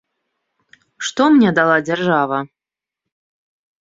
Што мне дала дзяржава?